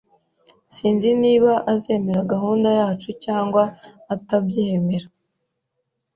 Sinzi niba azemera gahunda yacu cyangwa atabyemera